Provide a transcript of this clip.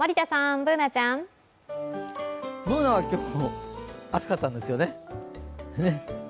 Ｂｏｏｎａは暑かったんですよね？